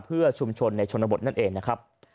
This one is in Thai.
เพื่อชุมชนในชนบทนั่นเองนะครับ